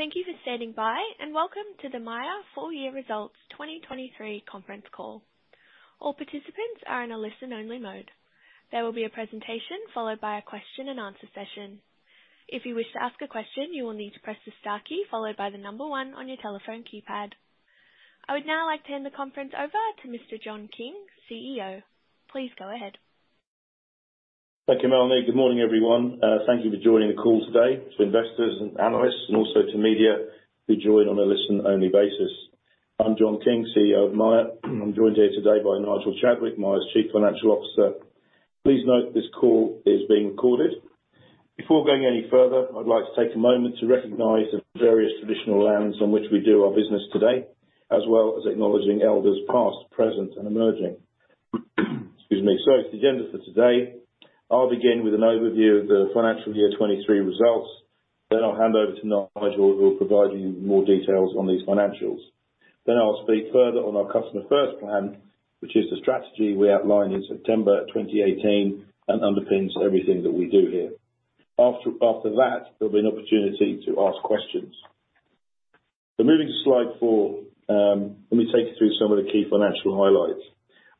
Thank you for standing by, and welcome to the Myer Full Year Results 2023 Conference Call. All participants are in a listen-only mode. There will be a presentation followed by a question and answer session. If you wish to ask a question, you will need to press the star key followed by the number one on your telephone keypad. I would now like to hand the conference over to Mr. John King, CEO. Please go ahead. Thank you, Melanie. Good morning, everyone. Thank you for joining the call today, to investors and analysts, and also to media, who joined on a listen-only basis. I'm John King, CEO of Myer. I'm joined here today by Nigel Chadwick, Myer's Chief Financial Officer. Please note, this call is being recorded. Before going any further, I'd like to take a moment to recognize the various traditional lands on which we do our business today, as well as acknowledging elders, past, present, and emerging. Excuse me. So the agenda for today, I'll begin with an overview of the financial year 2023 results, then I'll hand over to Nigel, who will provide you more details on these financials. Then I'll speak further on our Customer First plan, which is the strategy we outlined in September 2018, and underpins everything that we do here. After that, there'll be an opportunity to ask questions. Moving to slide four, let me take you through some of the key financial highlights.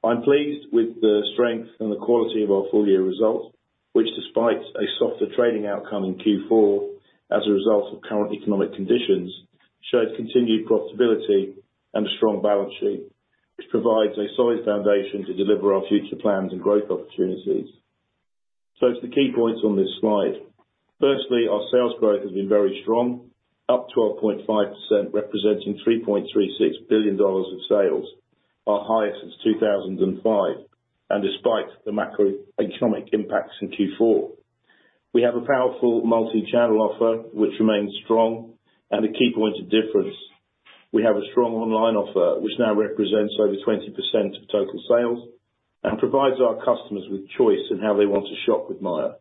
I'm pleased with the strength and the quality of our full-year results, which despite a softer trading outcome in Q4, as a result of current economic conditions, shows continued profitability and a strong balance sheet, which provides a solid foundation to deliver our future plans and growth opportunities. As to the key points on this slide, firstly, our sales growth has been very strong, up 12.5%, representing 3.36 billion dollars in sales, our highest since 2005, and despite the macroeconomic impacts in Q4. We have a powerful multi-channel offer, which remains strong and a key point of difference. We have a strong online offer, which now represents over 20% of total sales, and provides our customers with choice in how they want to shop with Myer.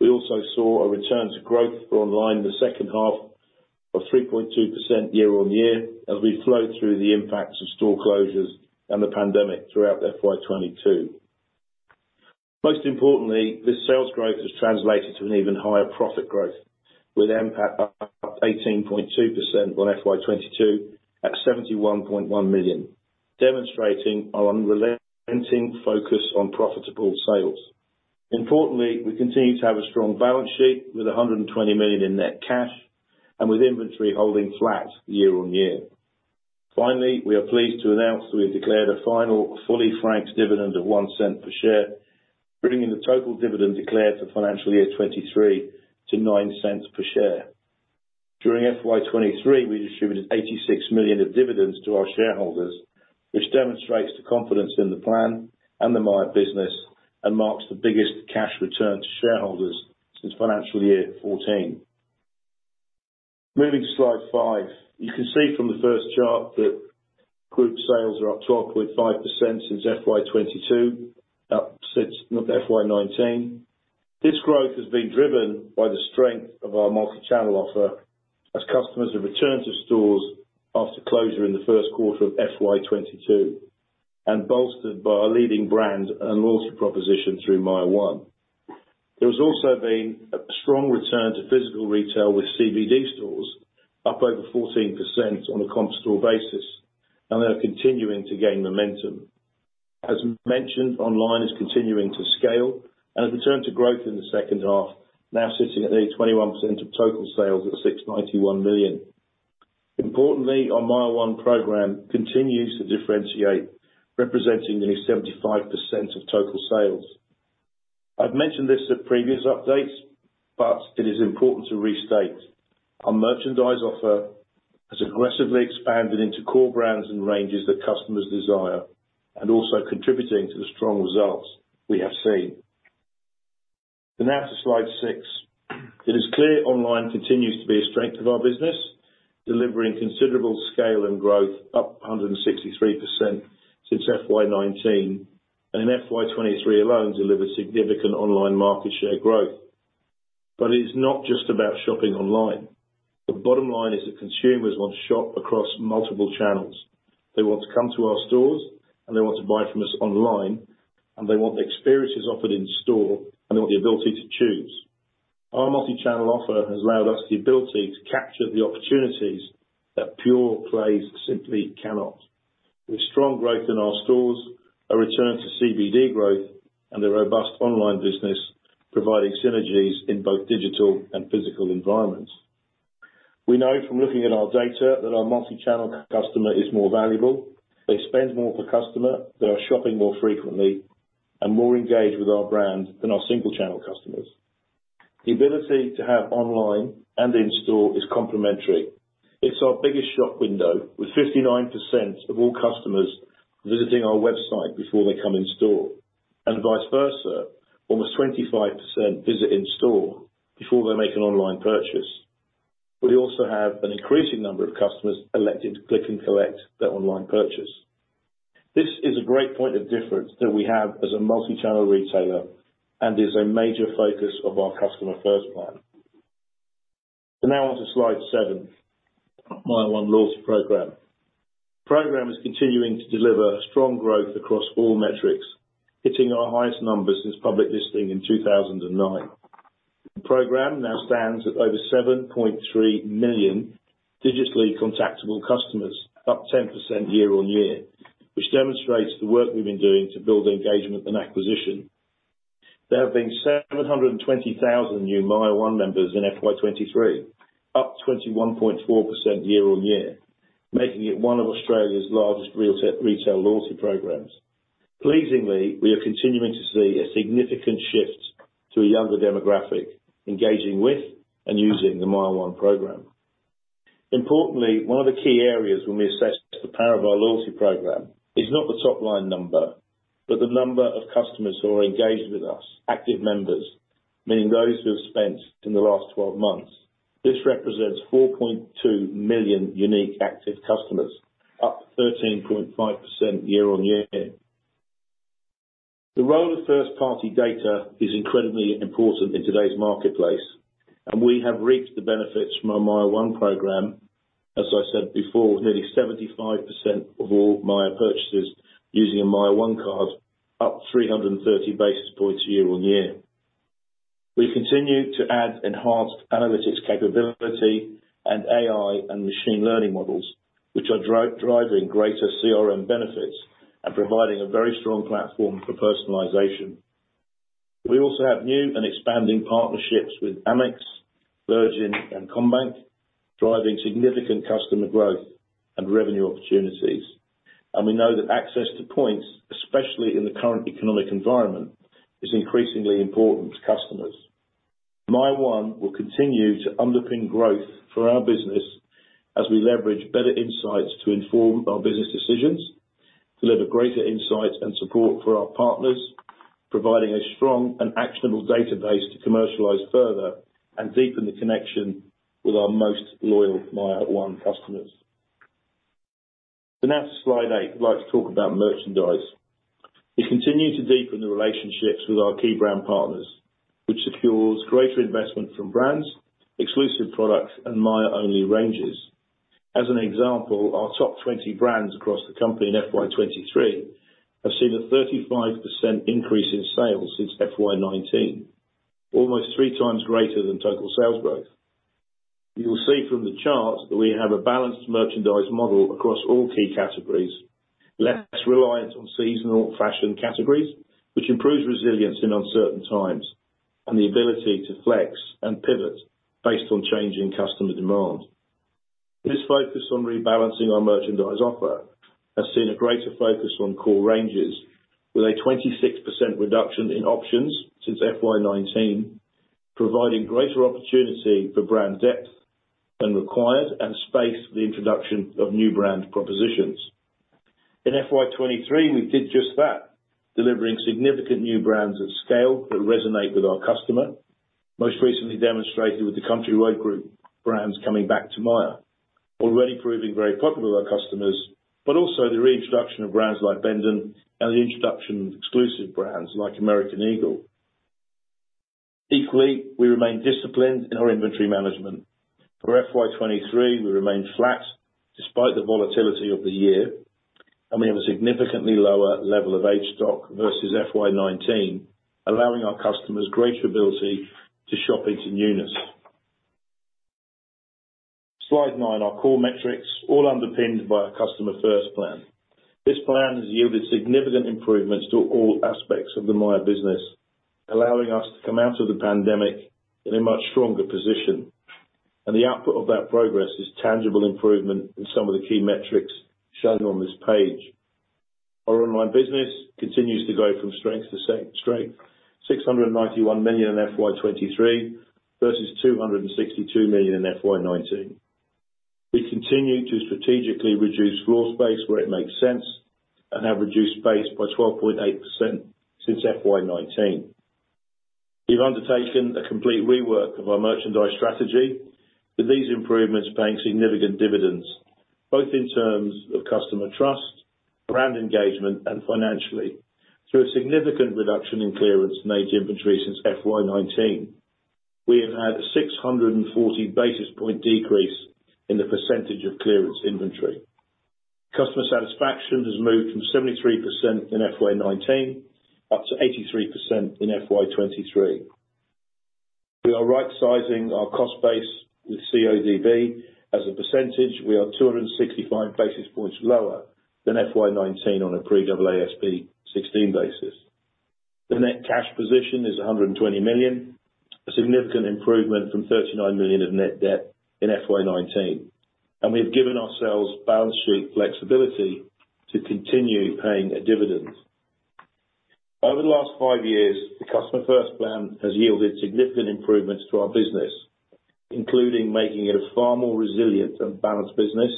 We also saw a return to growth for online in the second half of 3.2% year-on-year, as we flowed through the impacts of store closures and the pandemic throughout FY 2022. Most importantly, this sales growth has translated to an even higher profit growth, with NPAT up 18.2% on FY 2022, at 71.1 million, demonstrating our unrelenting focus on profitable sales. Importantly, we continue to have a strong balance sheet, with 120 million in net cash, and with inventory holding flat year-on-year. Finally, we are pleased to announce that we have declared a final fully franked dividend of 0.01 per share, bringing the total dividend declared for financial year 2023 to 0.09 per share. During FY 2023, we distributed 86 million of dividends to our shareholders, which demonstrates the confidence in the plan and the MYER business, and marks the biggest cash return to shareholders since financial year 2014. Moving to Slide 5. You can see from the first chart that group sales are up 12.5% since FY 2022, up since FY 2019. This growth has been driven by the strength of our multi-channel offer, as customers have returned to stores after closure in the first quarter of FY 2022, and bolstered by our leading brand and loyalty proposition through MYER ONE. There has also been a strong return to physical retail with CBD stores, up over 14% on a comp store basis, and they are continuing to gain momentum. As mentioned, online is continuing to scale and has returned to growth in the second half, now sitting at nearly 21% of total sales at 691 million. Importantly, our MYER ONE program continues to differentiate, representing nearly 75% of total sales. I've mentioned this at previous updates, but it is important to restate. Our merchandise offer has aggressively expanded into core brands and ranges that customers desire, and also contributing to the strong results we have seen. So now to slide 6. It is clear online continues to be a strength of our business, delivering considerable scale and growth, up 163% since FY 2019, and in FY 2023 alone, delivered significant online market share growth. It is not just about shopping online. The bottom line is that consumers want to shop across multiple channels. They want to come to our stores, and they want to buy from us online, and they want the experiences offered in store, and they want the ability to choose. Our multi-channel offer has allowed us the ability to capture the opportunities that pure plays simply cannot. With strong growth in our stores, a return to CBD growth, and a robust online business, providing synergies in both digital and physical environments. We know from looking at our data, that our multi-channel customer is more valuable. They spend more per customer, they are shopping more frequently, and more engaged with our brand than our single channel customers. The ability to have online and in-store is complementary. It's our biggest shop window, with 59% of all customers visiting our website before they come in store. And vice versa, almost 25% visit in-store before they make an online purchase. We also have an increasing number of customers electing to Click and Collect their online purchase. This is a great point of difference that we have as a multi-channel retailer, and is a major focus of our Customer First plan. So now on to slide seven, MYER ONE loyalty program. The program is continuing to deliver strong growth across all metrics, hitting our highest numbers since public listing in 2009. The program now stands at over 7.3 million digitally contactable customers, up 10% year-on-year, which demonstrates the work we've been doing to build engagement and acquisition. There have been 720,000 new MYER ONE members in FY 2023, up 21.4% year-on-year, making it one of Australia's largest retail loyalty programs. Pleasingly, we are continuing to see a significant shift to a younger demographic, engaging with and using the MYER ONE program. Importantly, one of the key areas when we assess the power of our loyalty program is not the top line number, but the number of customers who are engaged with us, active members, meaning those who have spent in the last 12 months. This represents 4.2 million unique active customers, up 13.5% year-on-year. The role of First Party Data is incredibly important in today's marketplace, and we have reaped the benefits from our MYER ONE program. As I said before, nearly 75% of all MYER purchases using a MYER ONE card, up 330 basis points year-on-year. We continue to add enhanced analytics capability and AI and machine learning models, which are driving greater CRM benefits and providing a very strong platform for personalization. We also have new and expanding partnerships with Amex, Virgin, and CommBank, driving significant customer growth and revenue opportunities. And we know that access to points, especially in the current economic environment, is increasingly important to customers. MYER ONE will continue to underpin growth for our business as we leverage better insights to inform our business decisions, deliver greater insight and support for our partners, providing a strong and actionable database to commercialize further and deepen the connection with our most loyal MYER ONE customers. So now to Slide 8, I'd like to talk about merchandise. We continue to deepen the relationships with our key brand partners, which secures greater investment from brands, exclusive products, and Myer-only ranges. As an example, our top 20 brands across the company in FY 2023 have seen a 35% increase in sales since FY 2019, almost 3x greater than total sales growth. You will see from the charts that we have a balanced merchandise model across all key categories, less reliant on seasonal fashion categories, which improves resilience in uncertain times and the ability to flex and pivot based on changing customer demand. This focus on rebalancing our merchandise offer has seen a greater focus on core ranges, with a 26% reduction in options since FY 2019, providing greater opportunity for brand depth when required and space for the introduction of new brand propositions. In FY 2023, we did just that, delivering significant new brands of scale that resonate with our customer. Most recently demonstrated with the Country Road Group, brands coming back to Myer, already proving very popular with our customers, but also the reintroduction of brands like Bendon and the introduction of exclusive brands like American Eagle. Equally, we remain disciplined in our inventory management. For FY 2023, we remained flat despite the volatility of the year, and we have a significantly lower level of age stock versus FY 2019, allowing our customers greater ability to shop into newness. Slide 9, our core metrics, all underpinned by our Customer First plan. This plan has yielded significant improvements to all aspects of the Myer business, allowing us to come out of the pandemic in a much stronger position, and the output of that progress is tangible improvement in some of the key metrics shown on this page. Our online business continues to go from strength to strength, 691 million in FY 2023 versus 262 million in FY 2019. We continue to strategically reduce floor space where it makes sense and have reduced space by 12.8% since FY 2019. We've undertaken a complete rework of our merchandise strategy, with these improvements paying significant dividends, both in terms of customer trust, brand engagement, and financially. Through a significant reduction in clearance and aged inventory since FY 2019, we have had a 640 basis point decrease in the percentage of clearance inventory. Customer satisfaction has moved from 73% in FY 2019, up to 83% in FY 2023. We are right sizing our cost base with CODB. As a percentage, we are 265 basis points lower than FY 2019 on a pre-AASB 16 basis. The net cash position is 120 million, a significant improvement from 39 million of net debt in FY 2019, and we've given ourselves balance sheet flexibility to continue paying a dividend. Over the last five years, the Customer First plan has yielded significant improvements to our business, including making it a far more resilient and balanced business,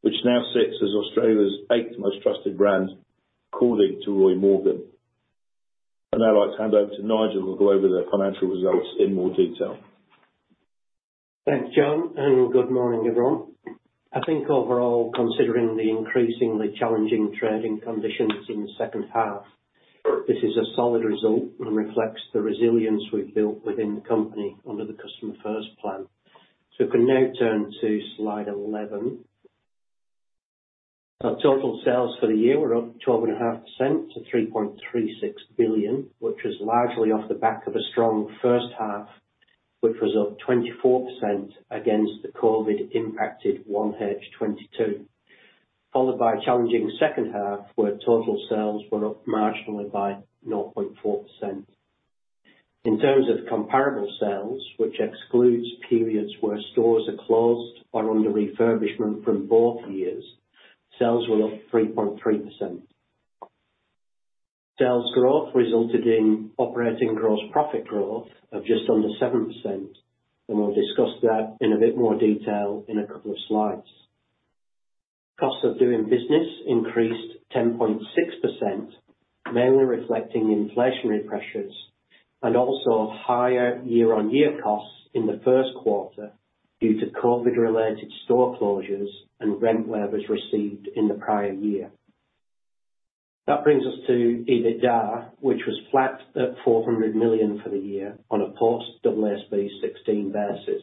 which now sits as Australia's eighth most trusted brand, according to Roy Morgan. Now I'd like to hand over to Nigel, who'll go over the financial results in more detail. Thanks, John, and good morning, everyone. I think overall, considering the increasingly challenging trading conditions in the second half, this is a solid result and reflects the resilience we've built within the company under the Customer First plan. So we can now turn to Slide 11. Our total sales for the year were up 12.5% to 3.36 billion, which was largely off the back of a strong first half, which was up 24% against the COVID-impacted 1H 2022. Followed by a challenging second half, where total sales were up marginally by 0.4%. In terms of comparable sales, which excludes periods where stores are closed or under refurbishment from both years, sales were up 3.3%. Sales growth resulted in operating gross profit growth of just under 7%, and we'll discuss that in a bit more detail in a couple of slides. Cost of doing business increased 10.6%, mainly reflecting inflationary pressures and also higher year-on-year costs in the first quarter due to COVID related store closures and rent waivers received in the prior year. That brings us to EBITDA, which was flat at 400 million for the year, on a post AASB 16 basis,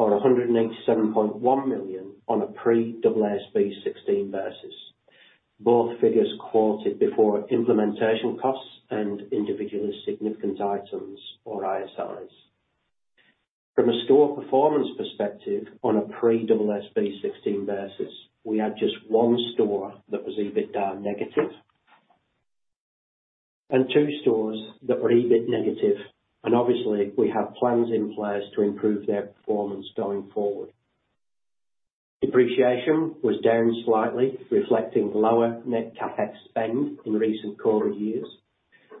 or 187.1 million on a pre-AASB 16 basis. Both figures quoted before implementation costs and individually significant items or ISIs. From a store performance perspective, on a pre-AASB 16 basis, we had just 1 store that was EBITDA negative, and two stores that were EBIT negative, and obviously, we have plans in place to improve their performance going forward. Depreciation was down slightly, reflecting lower net CapEx spend in recent quarter years,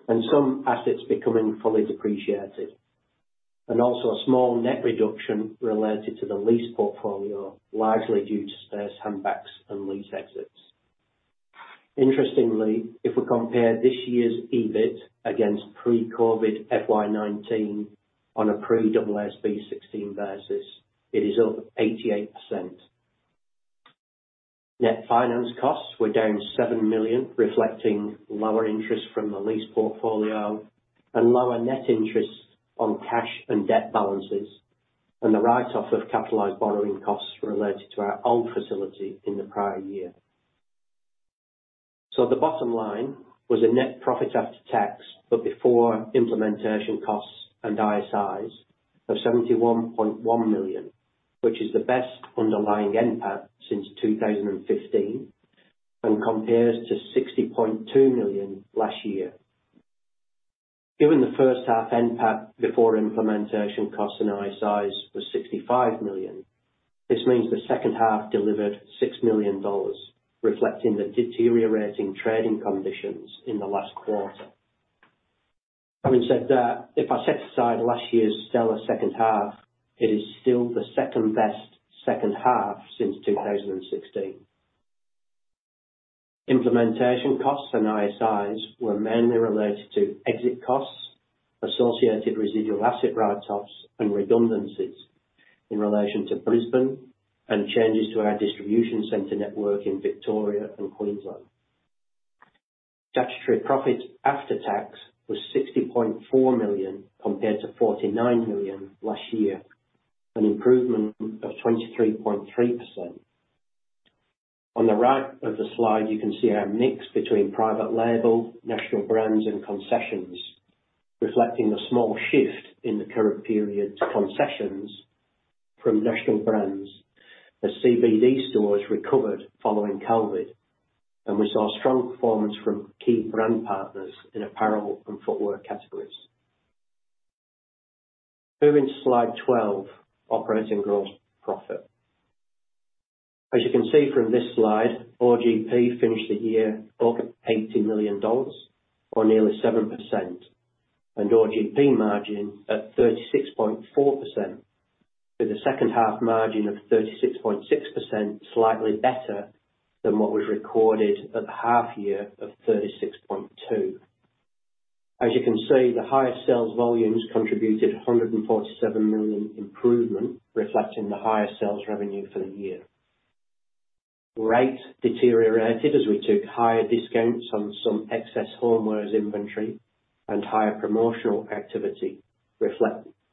and some assets becoming fully depreciated. Also a small net reduction related to the lease portfolio, largely due to space handbacks and lease exits. Interestingly, if we compare this year's EBIT against pre-COVID FY 2019, on a pre-AASB 16 basis, it is up 88%. Net finance costs were down 7 million, reflecting lower interest from the lease portfolio, and lower net interests on cash and debt balances, and the write-off of capitalized borrowing costs related to our old facility in the prior year. The bottom line was a net profit after tax, but before implementation costs and ISIs of 71.1 million, which is the best underlying NPAT since 2015, and compares to 60.2 million last year. Given the first half NPAT, before implementation costs and ISIs, was 65 million, this means the second half delivered 6 million dollars, reflecting the deteriorating trading conditions in the last quarter. Having said that, if I set aside last year's stellar second half, it is still the second best second half since 2016. Implementation costs and ISIs were mainly related to exit costs, associated residual asset write-offs, and redundancies in relation to Brisbane and changes to our distribution center network in Victoria and Queensland. Statutory profit after tax was 60.4 million, compared to 49 million last year, an improvement of 23.3%. On the right of the slide, you can see our mix between private label, national brands, and concessions, reflecting the small shift in the current period to concessions from national brands as CBD stores recovered following COVID, and we saw strong performance from key brand partners in apparel and footwear categories. Moving to slide 12, operating gross profit. As you can see from this slide, OGP finished the year up 80 million dollars or nearly 7%, and OGP margin at 36.4%, with a second half margin of 36.6%, slightly better than what was recorded at the half year of 36.2. As you can see, the higher sales volumes contributed 147 million improvement, reflecting the higher sales revenue for the year. Rate deteriorated as we took higher discounts on some excess homewares inventory and higher promotional activity,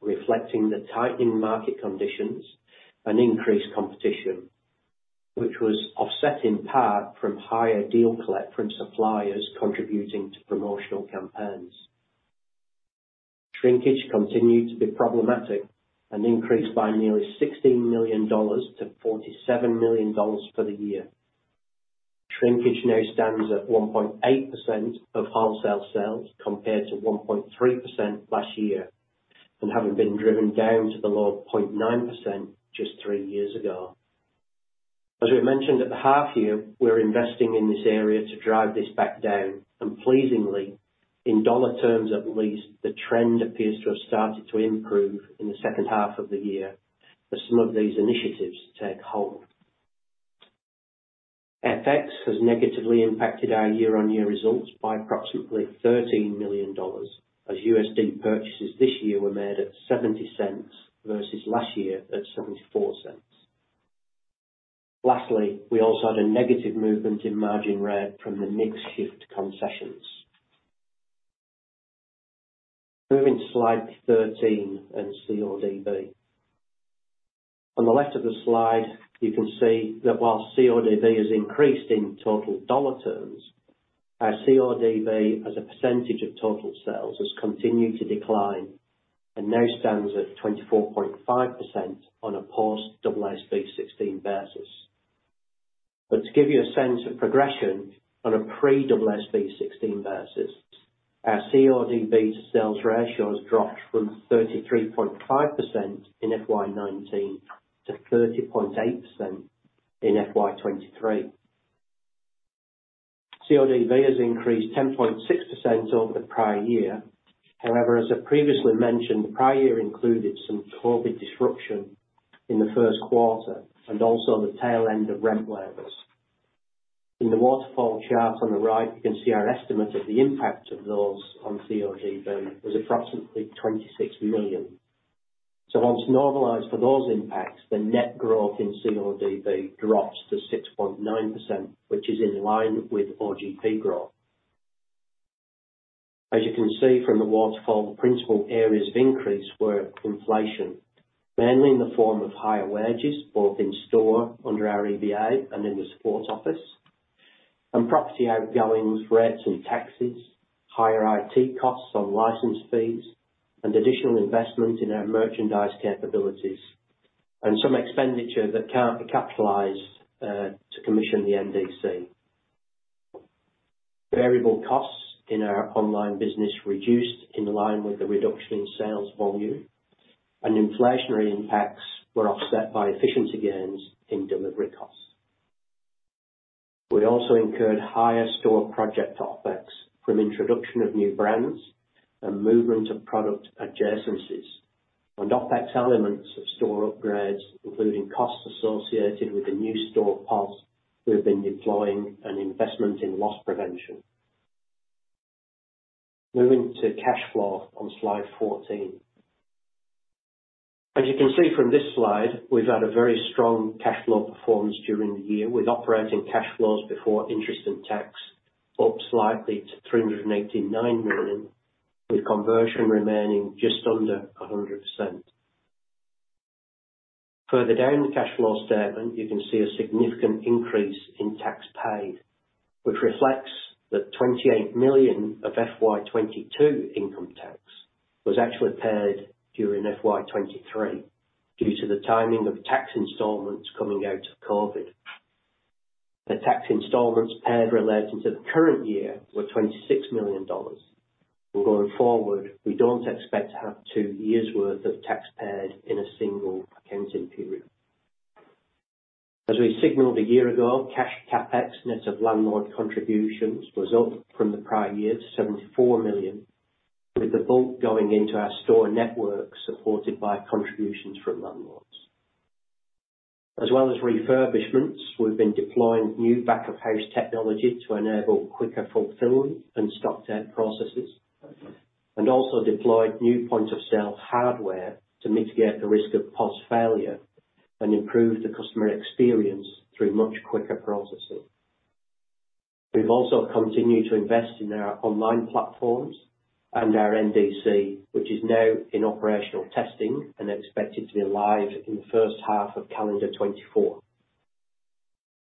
reflecting the tightening market conditions and increased competition, which was offset in part from higher deal collect from suppliers contributing to promotional campaigns. Shrinkage continued to be problematic, and increased by nearly 16 million dollars to 47 million dollars for the year. Shrinkage now stands at 1.8% of wholesale sales, compared to 1.3% last year, and having been driven down to the low 0.9% just 3 years ago. As we mentioned at the half year, we're investing in this area to drive this back down, and pleasingly, in dollar terms at least, the trend appears to have started to improve in the second half of the year as some of these initiatives take hold. FX has negatively impacted our year-on-year results by approximately 13 million dollars, as USD purchases this year were made at 0.70, versus last year at 0.74.... Lastly, we also had a negative movement in margin rate from the mix shift concessions. Moving to slide 13 and CODB. On the left of the slide, you can see that while CODB has increased in total dollar terms, our CODB as a percentage of total sales has continued to decline, and now stands at 24.5% on a post-AASB 16 basis. But to give you a sense of progression on a pre-AASB 16 basis, our CODB to sales ratio has dropped from 33.5% in FY 2019, to 30.8% in FY 2023. CODB has increased 10.6% over the prior year. However, as I previously mentioned, the prior year included some COVID disruption in the first quarter, and also the tail end of rent waivers. In the waterfall chart on the right, you can see our estimate of the impact of those on CODB was approximately 26 million. So once normalized for those impacts, the net growth in CODB drops to 6.9%, which is in line with OGP growth. As you can see from the waterfall, the principal areas of increase were inflation, mainly in the form of higher wages, both in store under our EBA and in the support office, and property outgoings, rents and taxes, higher IT costs on license fees, and additional investment in our merchandise capabilities, and some expenditure that can't be capitalized to commission the NDC. Variable costs in our online business reduced in line with the reduction in sales volume, and inflationary impacts were offset by efficiency gains in delivery costs. We also incurred higher store project OpEx from introduction of new brands and movement of product adjacencies, and OpEx elements of store upgrades, including costs associated with the new store POS we've been deploying and investment in loss prevention. Moving to cash flow on slide 14. As you can see from this slide, we've had a very strong cash flow performance during the year, with operating cash flows before interest and tax up slightly to 389 million, with conversion remaining just under 100%. Further down the cash flow statement, you can see a significant increase in tax paid, which reflects that 28 million of FY 2022 income tax was actually paid during FY 2023, due to the timing of tax installments coming out of COVID. The tax installments paid relating to the current year were 26 million dollars. Going forward, we don't expect to have two years' worth of tax paid in a single accounting period. As we signaled a year ago, cash CapEx, net of landlord contributions, was up from the prior year to 74 million, with the bulk going into our store network, supported by contributions from landlords. As well as refurbishments, we've been deploying new back of house technology to enable quicker fulfillment and stock data processes, and also deployed new point of sale hardware to mitigate the risk of POS failure and improve the customer experience through much quicker processing. We've also continued to invest in our online platforms and our NDC, which is now in operational testing and expected to be live in the first half of calendar 2024.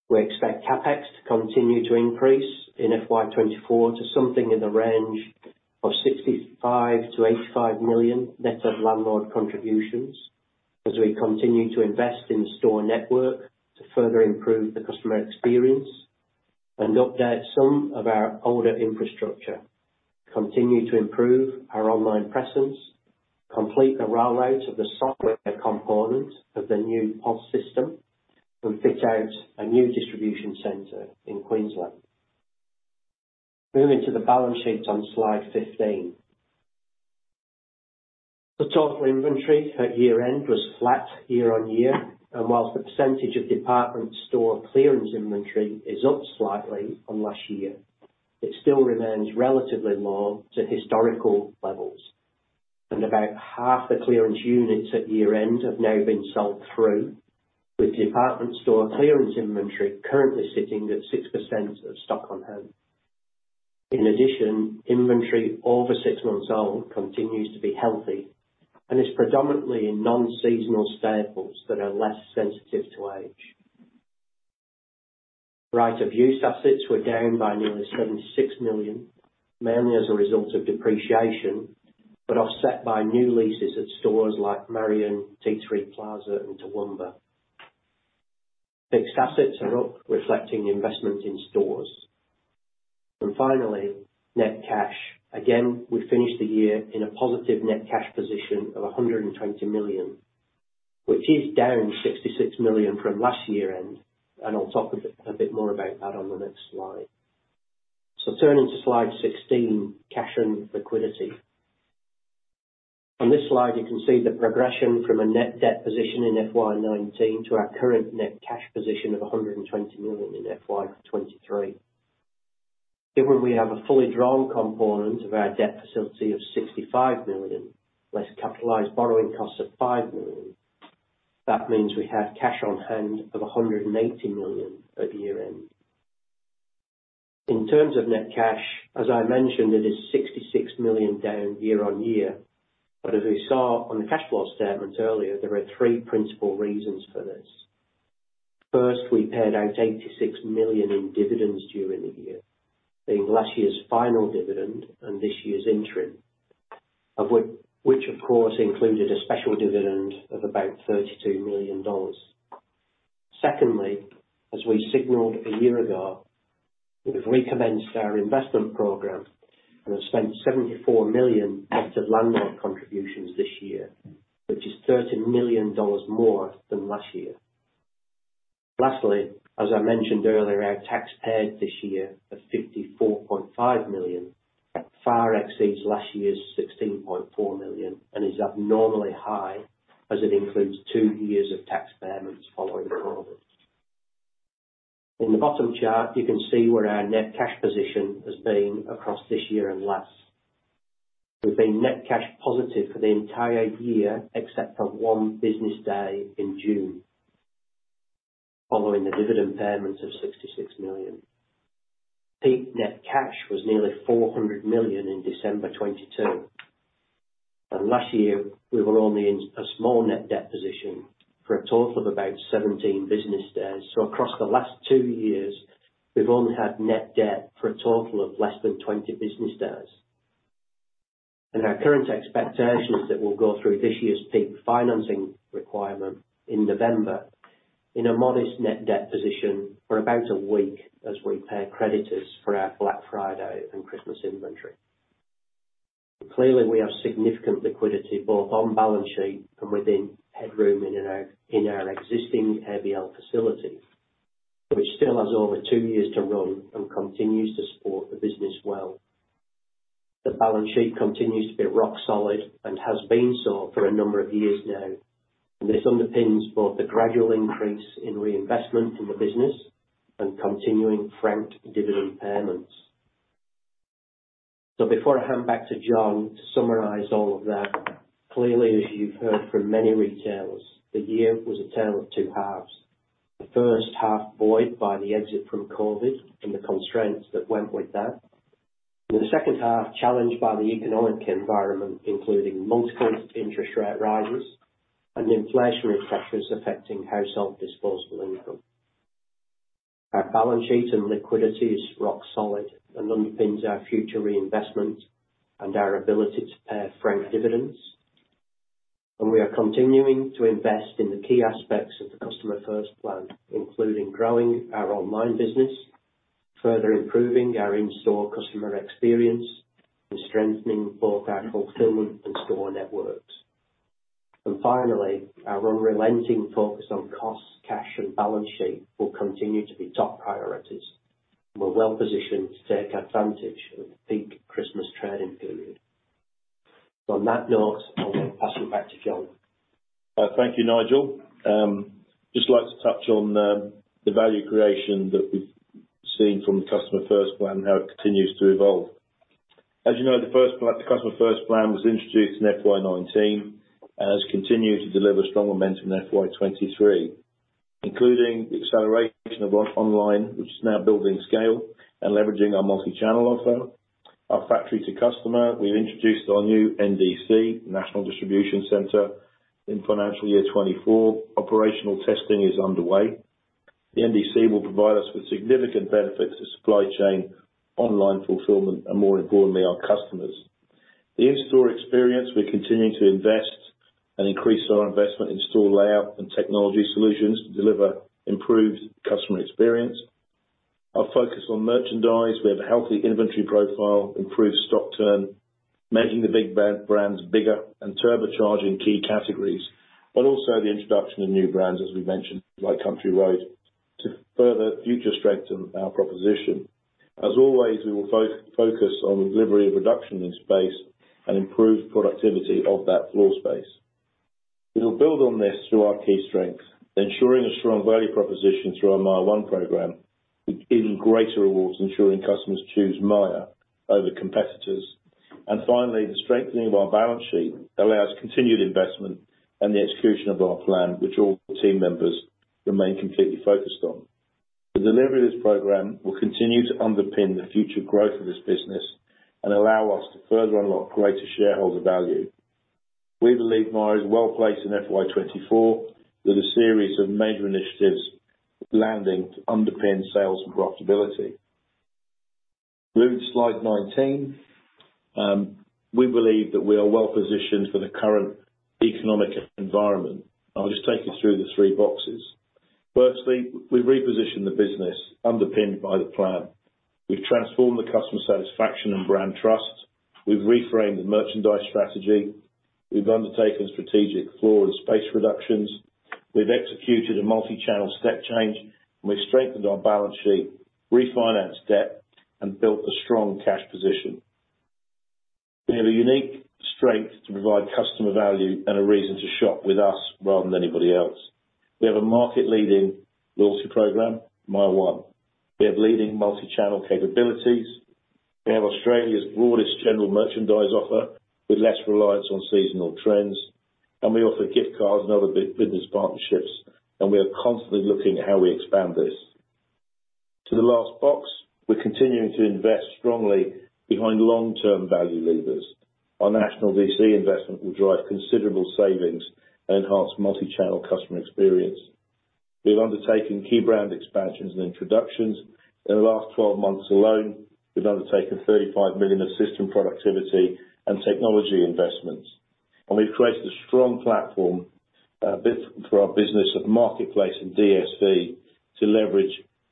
We expect CapEx to continue to increase in FY 2024, to something in the range of 65-85 million, net of landlord contributions, as we continue to invest in the store network to further improve the customer experience and update some of our older infrastructure, continue to improve our online presence, complete the rollout of the software component of the new POS system, and fit out a new distribution center in Queensland. Moving to the balance sheet on slide 15. The total inventory at year-end was flat year-over-year, and while the percentage of department store clearance inventory is up slightly on last year, it still remains relatively low to historical levels. And about half the clearance units at year-end have now been sold through, with department store clearance inventory currently sitting at 6% of stock on hand. In addition, inventory over six months old continues to be healthy, and is predominantly in non-seasonal staples that are less sensitive to age. Right-of-use assets were down by nearly 76 million, mainly as a result of depreciation, but offset by new leases at stores like Marion, Tea Tree Plaza, and Toowoomba. Fixed assets are up, reflecting the investment in stores. Finally, net cash. Again, we finished the year in a positive net cash position of 120 million, which is down 66 million from last year-end, and I'll talk a bit more about that on the next slide. So turning to Slide 16, cash and liquidity. On this slide, you can see the progression from a net debt position in FY 2019, to our current net cash position of 120 million in FY 2023. Here we have a fully drawn component of our debt facility of 65 million, less capitalized borrowing costs of 5 million. That means we have cash on hand of 180 million at year-end. In terms of net cash, as I mentioned, it is 66 million down year-over-year, but as we saw on the cash flow statement earlier, there are three principal reasons for this. First, we paid out 86 million in dividends during the year, being last year's final dividend and this year's interim. Of which—which, of course, included a special dividend of about 32 million dollars. Secondly, as we signaled a year ago, we've recommenced our investment program and have spent 74 million of landlord contributions this year, which is 13 million dollars more than last year. Lastly, as I mentioned earlier, our tax paid this year of 54.5 million far exceeds last year's 16.4 million, and is abnormally high, as it includes two years of tax payments following COVID. In the bottom chart, you can see where our net cash position has been across this year and last. We've been net cash positive for the entire year, except for one business day in June, following the dividend payment of 66 million. Peak net cash was nearly 400 million in December 2022, and last year we were only in a small net debt position for a total of about 17 business days. So across the last two years, we've only had net debt for a total of less than 20 business days. And our current expectation is that we'll go through this year's peak financing requirement in November, in a modest net debt position for about a week, as we pay creditors for our Black Friday and Christmas inventory. Clearly, we have significant liquidity, both on balance sheet and within headroom in our existing ABL facility, which still has over two years to run and continues to support the business well. The balance sheet continues to be rock solid and has been so for a number of years now, and this underpins both the gradual increase in reinvestment in the business and continuing franked dividend payments. So before I hand back to John, to summarize all of that, clearly, as you've heard from many retailers, the year was a tale of two halves. The first half buoyed by the exit from COVID and the constraints that went with that. The second half, challenged by the economic environment, including multiple interest rate rises and inflationary pressures affecting household disposable income. Our balance sheet and liquidity is rock solid and underpins our future reinvestment, and our ability to pay franked dividends. We are continuing to invest in the key aspects of the Customer First plan, including growing our online business, further improving our in-store customer experience, and strengthening both our fulfillment and store networks. And finally, our unrelenting focus on costs, cash, and balance sheet, will continue to be top priorities. We're well positioned to take advantage of the peak Christmas trading period. On that note, I'll pass it back to John. Thank you, Nigel. Just like to touch on the value creation that we've seen from the Customer First plan and how it continues to evolve. As you know, the first part, the Customer First plan was introduced in FY 2019, and has continued to deliver strong momentum in FY 2023, including the acceleration of our online, which is now building scale and leveraging our multi-channel offer. Our factory to customer, we've introduced our new NDC, National Distribution Centre, in financial year 2024. Operational testing is underway. The NDC will provide us with significant benefits to supply chain, online fulfillment, and more importantly, our customers. The in-store experience, we're continuing to invest and increase our investment in store layout and technology solutions to deliver improved customer experience. Our focus on merchandise, we have a healthy inventory profile, improved stock turn, making the big brands bigger and turbocharging key categories, but also the introduction of new brands, as we mentioned, like Country Road, to further future strengthen our proposition. As always, we will focus on delivery and reduction in space, and improve productivity of that floor space. We will build on this through our key strengths, ensuring a strong value proposition through our MYER ONE program, with even greater rewards, ensuring customers choose Myer over competitors. And finally, the strengthening of our balance sheet allows continued investment and the execution of our plan, which all team members remain completely focused on. The delivery of this program will continue to underpin the future growth of this business and allow us to further unlock greater shareholder value. We believe Myer is well placed in FY 2024, with a series of major initiatives landing to underpin sales and profitability. Moving to slide 19, we believe that we are well positioned for the current economic environment. I'll just take you through the three boxes. Firstly, we've repositioned the business underpinned by the plan. We've transformed the customer satisfaction and brand trust. We've reframed the merchandise strategy. We've undertaken strategic floor and space reductions. We've executed a multi-channel step change, and we've strengthened our balance sheet, refinanced debt, and built a strong cash position.... We have a unique strength to provide customer value and a reason to shop with us rather than anybody else. We have a market-leading loyalty program, MYER ONE. We have leading multi-channel capabilities. We have Australia's broadest general merchandise offer, with less reliance on seasonal trends, and we offer gift cards and other business partnerships, and we are constantly looking at how we expand this. To the last box, we're continuing to invest strongly behind long-term value levers. Our National VC investment will drive considerable savings and enhance multi-channel customer experience. We've undertaken key brand expansions and introductions. In the last 12 months alone, we've undertaken 35 million of system productivity and technology investments, and we've created a strong platform, for our business of marketplace and DSV to leverage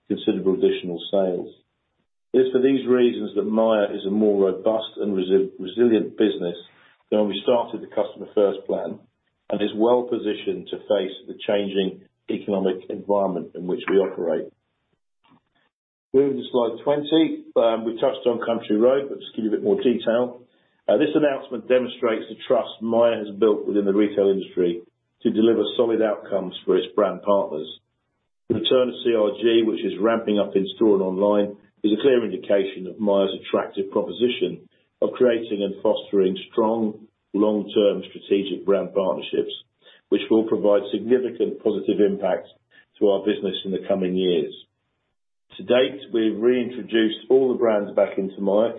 considerable additional sales. It is for these reasons that Myer is a more robust and resilient business than when we started the Customer First plan, and is well positioned to face the changing economic environment in which we operate. Moving to slide 20, we touched on Country Road, but just to give you a bit more detail. This announcement demonstrates the trust Myer has built within the retail industry to deliver solid outcomes for its brand partners. The return of CRG, which is ramping up in-store and online, is a clear indication of Myer's attractive proposition of creating and fostering strong, long-term strategic brand partnerships, which will provide significant positive impacts to our business in the coming years. To date, we've reintroduced all the brands back into Myer,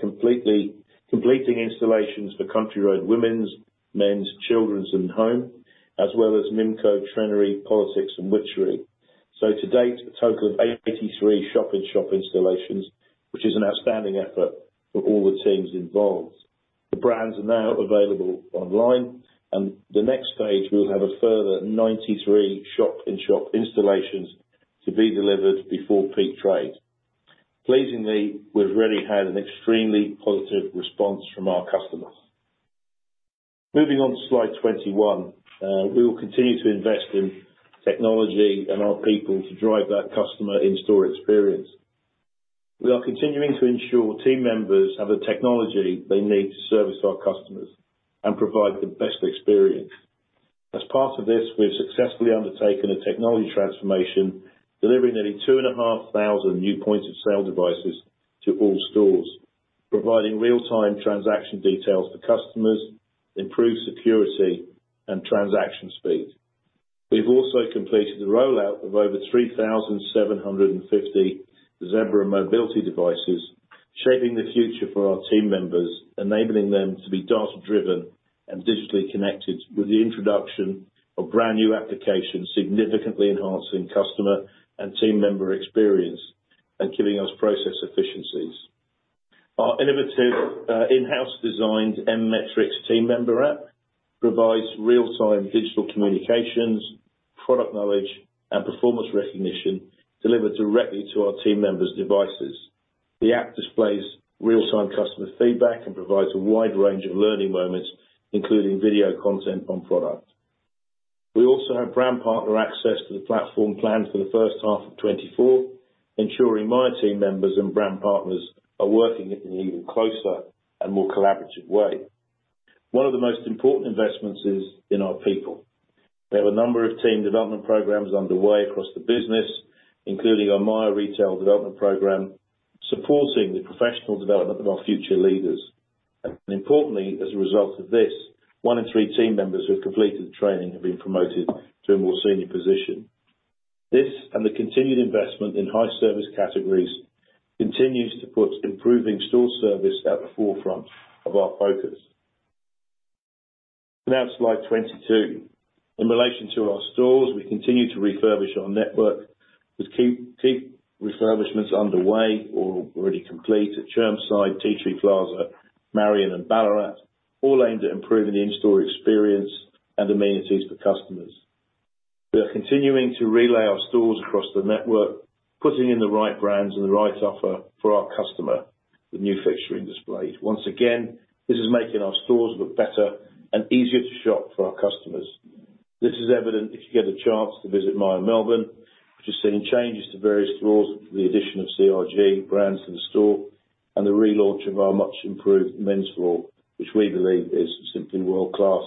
completing installations for Country Road Women's, Men's, Children's, and Home, as well as Mimco, Trenery, Politix, and Witchery. So to date, a total of 83 shop-in-shop installations, which is an outstanding effort for all the teams involved. The brands are now available online, and the next stage, we will have a further 93 shop-in-shop installations to be delivered before peak trade. Pleasingly, we've already had an extremely positive response from our customers. Moving on to slide 21. We will continue to invest in technology and our people to drive that customer in-store experience. We are continuing to ensure team members have the technology they need to service our customers and provide the best experience. As part of this, we've successfully undertaken a technology transformation, delivering nearly 2,500 new point-of-sale devices to all stores, providing real-time transaction details to customers, improved security, and transaction speed. We've also completed the rollout of over 3,750 Zebra mobility devices, shaping the future for our team members, enabling them to be data-driven and digitally connected with the introduction of brand-new applications, significantly enhancing customer and team member experience, and giving us process efficiencies. Our innovative, in-house designed MMetrics team member app provides real-time digital communications, product knowledge, and performance recognition, delivered directly to our team members' devices. The app displays real-time customer feedback and provides a wide range of learning moments, including video content on products. We also have brand partner access to the platform plans for the first half of 2024, ensuring Myer team members and brand partners are working in an even closer and more collaborative way. One of the most important investments is in our people. We have a number of team development programs underway across the business, including our MYER Retail Development Program, supporting the professional development of our future leaders. And importantly, as a result of this, one in three team members who have completed the training have been promoted to a more senior position. This, and the continued investment in high-service categories, continues to put improving store service at the forefront of our focus. Now to slide 22. In relation to our stores, we continue to refurbish our network, with key, key refurbishments underway or already complete at Chermside, Tea Tree Plaza, Marion, and Ballarat, all aimed at improving the in-store experience and amenities for customers. We are continuing to relay our stores across the network, putting in the right brands and the right offer for our customer, with new fixturing displays. Once again, this is making our stores look better and easier to shop for our customers. This is evident if you get a chance to visit Myer Melbourne, which has seen changes to various floors, with the addition of CRG brands in the store, and the relaunch of our much-improved men's floor, which we believe is simply world-class,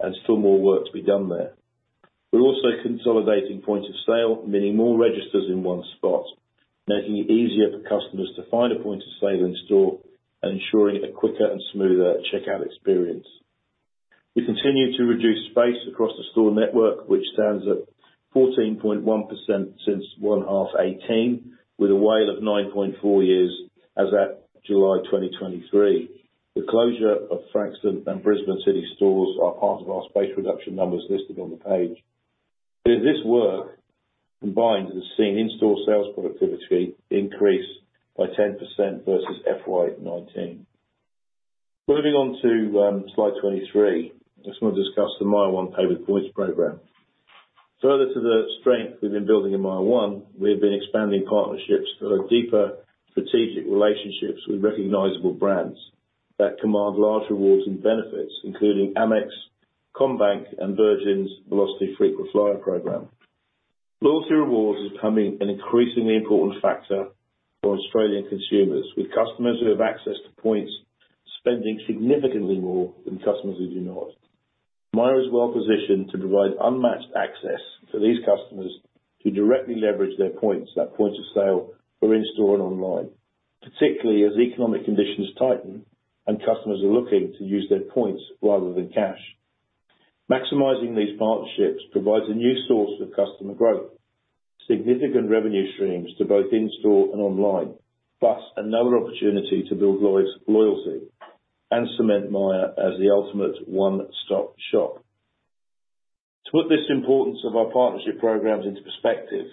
and still more work to be done there. We're also consolidating point of sale, meaning more registers in one spot, making it easier for customers to find a point of sale in store and ensuring a quicker and smoother checkout experience. We continue to reduce space across the store network, which stands at 14.1% since 1H 2018, with a WALE of 9.4 years as at July 2023. The closure of Frankston and Brisbane City stores are part of our space reduction numbers listed on the page. In this work, combined, we've seen in-store sales productivity increase by 10% versus FY 2019. Moving on to Slide 23. I just want to discuss the MYER ONE Pay with Points program. Further to the strength we've been building in MYER ONE, we've been expanding partnerships that are deeper strategic relationships with recognizable brands that command large rewards and benefits, including Amex, CommBank, and Virgin's Velocity Frequent Flyer program. Loyalty rewards is becoming an increasingly important factor for Australian consumers, with customers who have access to points spending significantly more than customers who do not. Myer is well positioned to provide unmatched access to these customers to directly leverage their points, at point of sale or in-store and online, particularly as economic conditions tighten and customers are looking to use their points rather than cash. Maximizing these partnerships provides a new source of customer growth, significant revenue streams to both in-store and online, plus another opportunity to build loyalty and cement MYER as the ultimate one-stop shop. To put this importance of our partnership programs into perspective,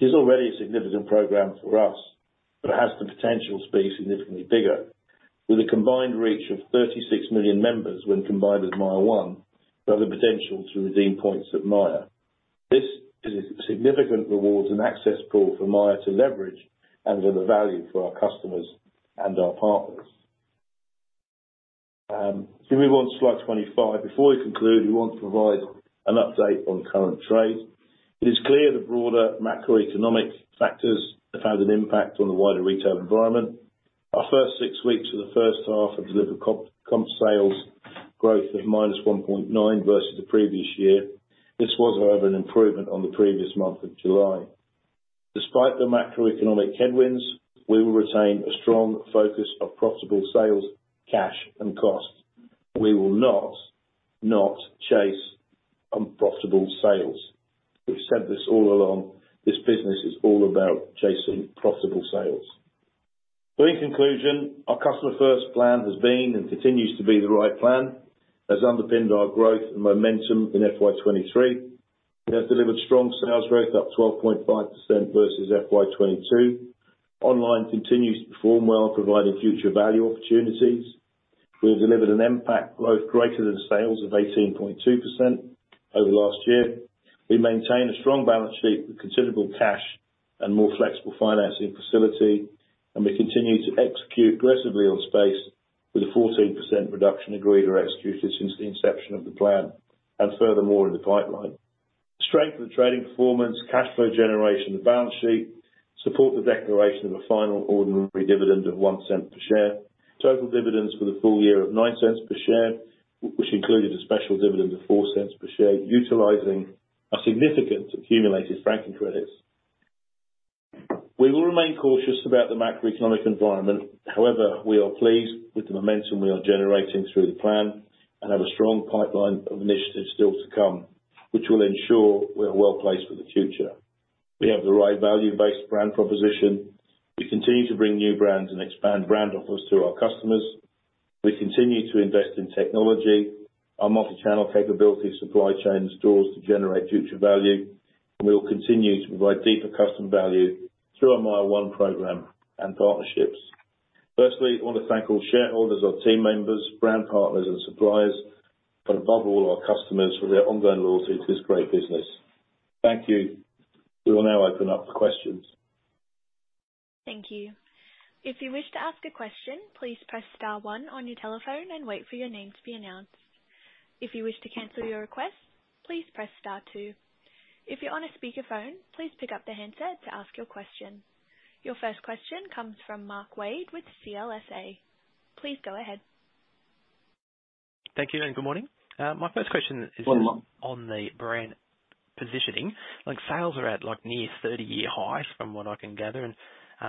it is already a significant program for us, but it has the potential to be significantly bigger. With a combined reach of 36 million members when combined with MYER ONE, who have the potential to redeem points at MYER. This is a significant rewards and access pool for MYER to leverage and of value for our customers and our partners. If we move on to slide 25. Before we conclude, we want to provide an update on current trade. It is clear the broader macroeconomic factors have had an impact on the wider retail environment. Our first six weeks of the first half have delivered comp, comp sales growth of -1.9% versus the previous year. This was, however, an improvement on the previous month of July. Despite the macroeconomic headwinds, we will retain a strong focus of profitable sales, cash, and costs. We will not, not chase unprofitable sales. We've said this all along, this business is all about chasing profitable sales. So in conclusion, our customer first plan has been, and continues to be, the right plan. It has underpinned our growth and momentum in FY 2023. It has delivered strong sales growth, up 12.5% versus FY 2022. Online continues to perform well, providing future value opportunities. We have delivered an impact growth greater than sales of 18.2% over last year. We maintain a strong balance sheet with considerable cash and more flexible financing facility, and we continue to execute aggressively on space with a 14% reduction agreed or executed since the inception of the plan, and furthermore in the pipeline. The strength of the trading performance, cash flow generation, and the balance sheet support the declaration of a final ordinary dividend of 0.01 per share. Total dividends for the full year of 0.09 per share, which included a special dividend of 0.04 per share, utilizing our significant accumulated franking credits. We will remain cautious about the macroeconomic environment. However, we are pleased with the momentum we are generating through the plan and have a strong pipeline of initiatives still to come, which will ensure we are well placed for the future. We have the right value-based brand proposition. We continue to bring new brands and expand brand offers to our customers. We continue to invest in technology, our multi-channel capabilities, supply chain, and stores to generate future value, and we will continue to provide deeper customer value through our MYER ONE program and partnerships. Firstly, I want to thank all shareholders, our team members, brand partners and suppliers, but above all, our customers, for their ongoing loyalty to this great business. Thank you. We will now open up for questions. Thank you. If you wish to ask a question, please press star one on your telephone and wait for your name to be announced. If you wish to cancel your request, please press star two. If you're on a speakerphone, please pick up the handset to ask your question. Your first question comes from Mark Wade with CLSA. Please go ahead. Thank you, and good morning. My first question is- Good morning. On the brand positioning. Like, sales are at, like, near 30-year highs, from what I can gather, and,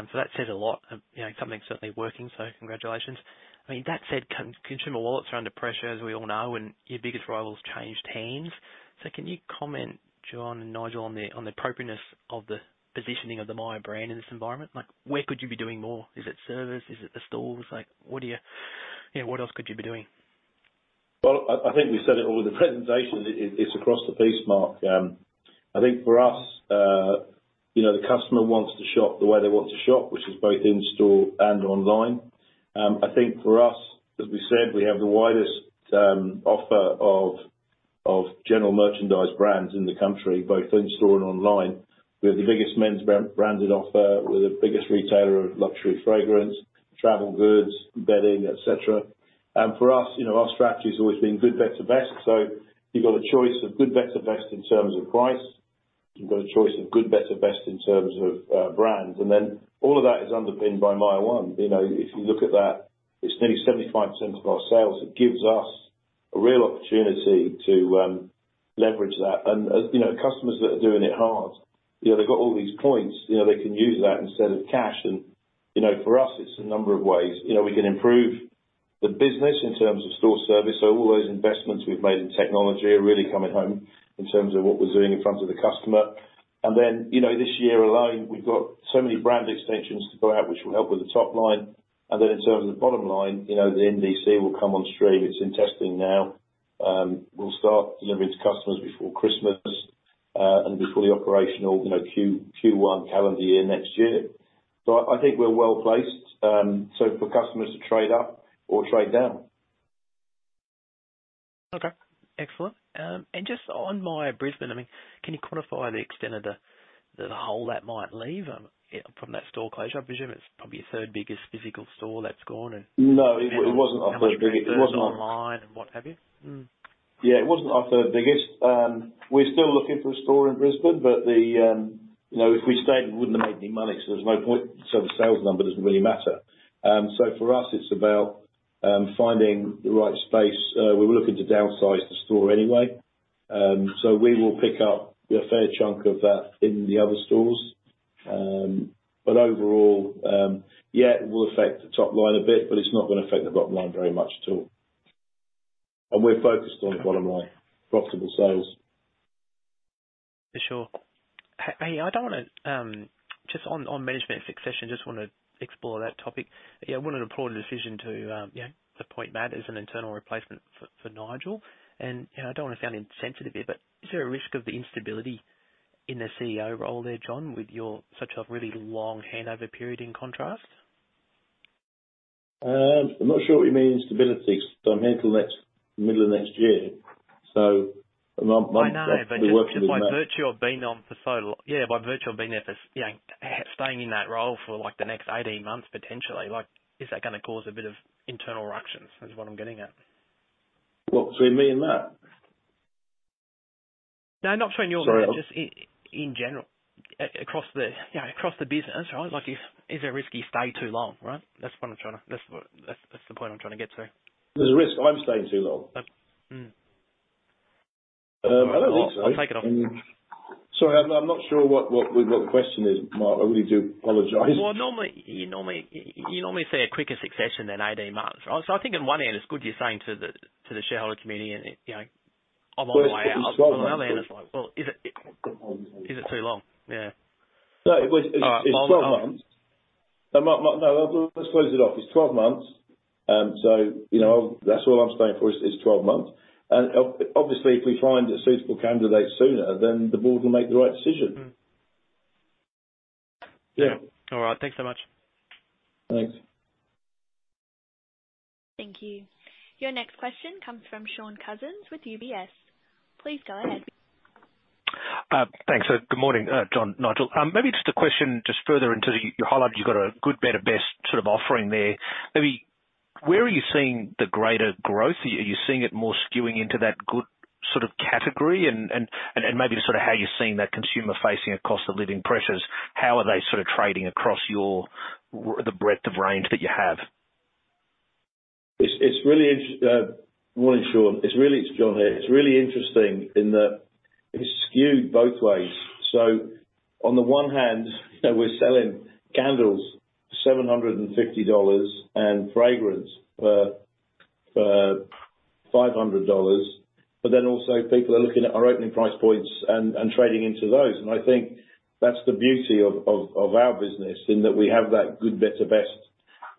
so that says a lot. You know, something's certainly working, so congratulations. I mean, that said, consumer wallets are under pressure, as we all know, and your biggest rival's changed hands. So can you comment, John and Nigel, on the, on the appropriateness of the positioning of the Myer brand in this environment? Like, where could you be doing more? Is it service? Is it the stores? Like, what are you... You know, what else could you be doing? Well, I think we said it all in the presentation. It's across the piece, Mark. I think for us, you know, the customer wants to shop the way they want to shop, which is both in-store and online. I think for us, as we said, we have the widest offer of general merchandise brands in the country, both in-store and online. We have the biggest men's branded offer. We're the biggest retailer of luxury fragrance, travel goods, bedding, et cetera. And for us, you know, our strategy has always been good, better, best. So you've got a choice of good, better, best in terms of price. You've got a choice of good, better, best in terms of brands, and then all of that is underpinned by MYER ONE. You know, if you look at that, it's nearly 75% of our sales. It gives us a real opportunity to leverage that. And, you know, customers that are doing it hard, you know, they've got all these points, you know, they can use that instead of cash. And, you know, for us, it's a number of ways, you know, we can improve the business in terms of store service. So all those investments we've made in technology are really coming home in terms of what we're doing in front of the customer. And then, you know, this year alone, we've got so many brand extensions to go out, which will help with the top line. And then in terms of the bottom line, you know, the NDC will come on stream. It's in testing now. We'll start delivering to customers before Christmas, and be fully operational, you know, Q1 calendar year next year. So I think we're well placed, so for customers to trade up or trade down. Okay, excellent. And just on Myer Brisbane, I mean, can you quantify the extent of the hole that might leave, from that store closure? I presume it's probably your third biggest physical store that's gone, and- No, it wasn't our third biggest. It was not. Online, and what have you. Yeah, it wasn't our third biggest. We're still looking for a store in Brisbane, but the, you know, if we stayed, we wouldn't have made any money, so there's no point. So the sales number doesn't really matter. So for us, it's about finding the right space. We were looking to downsize the store anyway. So we will pick up a fair chunk of that in the other stores. But overall, yeah, it will affect the top line a bit, but it's not gonna affect the bottom line very much at all. And we're focused on the bottom line, profitable sales. For sure. Hey, I don't want to... Just on management succession, just want to explore that topic. Yeah, I want to applaud the decision to, yeah, appoint Matt as an internal replacement for Nigel. And, you know, I don't want to sound insensitive here, but is there a risk of the instability in the CEO role there, John, with your such a really long handover period in contrast? I'm not sure what you mean instability, because I'm here till next, middle of next year, so- I know- We're working with Matt. Just by virtue of being on for so long. Yeah, by virtue of being there for, you know, staying in that role for, like, the next 18 months, potentially, like, is that gonna cause a bit of internal ructions? Is what I'm getting at? What, between me and Matt? No, not between you and Matt- Sorry. Just, in general, you know, across the business, right? Like, is there a risk you stay too long, right? That's what I'm trying to... That's the point I'm trying to get to. There's a risk I'm staying too long? Uh, mm. I don't think so. I'll take it off. Sorry, I'm not sure what the question is, Mark. I really do apologize. Well, normally, you normally see a quicker succession than 18 months, right? So I think in one hand, it's good you're saying to the shareholder community, and, you know, "I'm on my way out. Well, it's 12 months. On the other hand, it's like, well, is it, is it too long? Yeah. No, it was- All right. It's 12 months. So Mark, Mark, no, let's close it off. It's 12 months, so you know, that's all I'm staying for is 12 months. And obviously, if we find a suitable candidate sooner, then the board will make the right decision. Mm. Yeah. All right. Thanks so much. Thanks. Thank you. Your next question comes from Shaun Cousins with UBS. Please go ahead. Thanks. Good morning, John, Nigel. Maybe just a question just further into your highlight. You've got a good, better, best sort of offering there. Maybe where are you seeing the greater growth? Are you seeing it more skewing into that good sort of category? And maybe sort of how you're seeing that consumer facing a cost of living pressures, how are they sort of trading across your the breadth of range that you have? Morning, Sean. It's John here. It's really interesting in that it is skewed both ways. So on the one hand, we're selling candles, 750 dollars, and fragrance for 500 dollars. But then also, people are looking at our opening price points and trading into those. And I think that's the beauty of our business, in that we have that good, better, best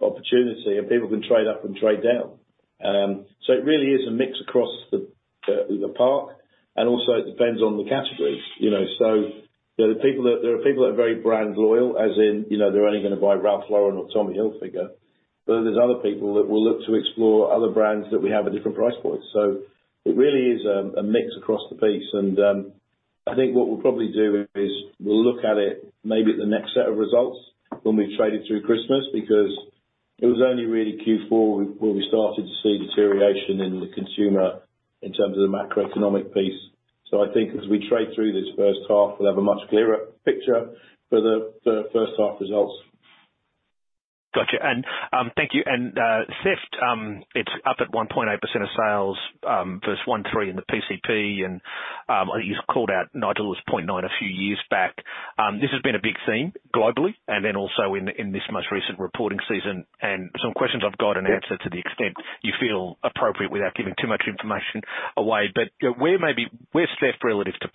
opportunity, and people can trade up and trade down. So it really is a mix across the board, and also it depends on the categories. You know, so there are people that are very brand loyal, as in, you know, they're only gonna buy Ralph Lauren or Tommy Hilfiger. But then there's other people that will look to explore other brands that we have at different price points. So it really is a mix across the piece, and I think what we'll probably do is we'll look at it, maybe at the next set of results, when we've traded through Christmas. Because it was only really Q4 where we started to see deterioration in the consumer in terms of the macroeconomic piece. So I think as we trade through this first half, we'll have a much clearer picture for the first half results. Gotcha. And thank you, and theft, it's up at 1.8% of sales, versus 1.3% in the PCP, and you called out Nigel was 0.9% a few years back. This has been a big theme globally, and then also in this most recent reporting season. And some questions I've got, and answer to the extent you feel appropriate, without giving too much information away, but where maybe... where's theft relative to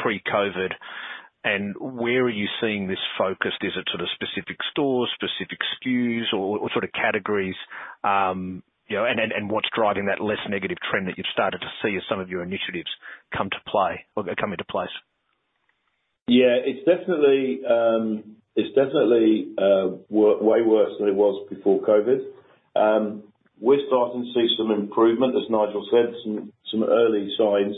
pre-COVID, and where are you seeing this focused? Is it to the specific stores, specific SKUs or sort of categories? You know, and then, and what's driving that less negative trend that you've started to see as some of your initiatives come to play, or come into place? Yeah, it's definitely, it's definitely way worse than it was before COVID. We're starting to see some improvement, as Nigel said, some early signs